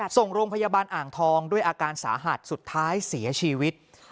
ส่งโรงพยาบาลอ่างทองด้วยอาการสาหัสสุดท้ายเสียชีวิต